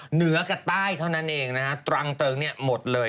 เหนือกับใต้เท่านั้นเองนะครับตรังเติงหมดเลย